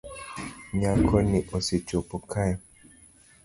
Nyakoni osechopo kae